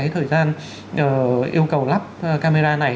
thời gian yêu cầu lắp camera này